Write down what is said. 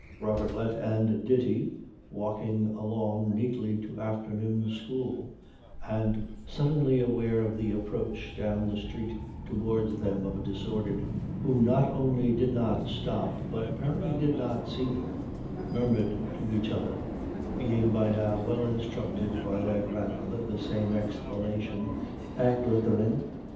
Robertlet and Ditti, walking along neatly to afternoon school, and suddenly aware of the approach down the street towards them of a disordered parent who not only did not stop but apparently did not see them, murmured to each other, being by now well instructed by their grandmother, the same explanation Engländerin.